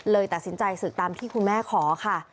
เลยตัดสินใจศึกตามที่คุณแม่ขอค่ะ